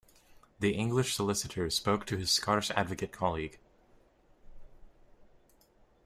The English solicitor spoke to his Scottish advocate colleague